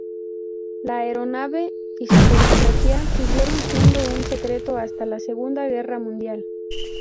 La aeronave y su tecnología siguieron siendo un secreto hasta la Segunda Guerra Mundial.